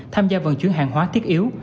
tham gia vận chuyển hàng hóa thiết yếu